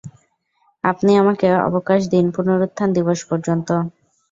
আপনি আমাকে অবকাশ দিন পুনরুত্থান দিবস পর্যন্ত।